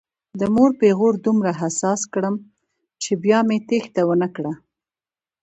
د مور پیغور دومره حساس کړم چې بیا مې تېښته ونه کړه.